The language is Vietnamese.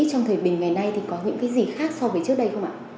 trong thời bình ngày nay thì có những cái gì khác so với trước đây không ạ